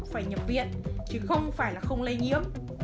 phải nhập viện chứ không phải là không lây nhiễm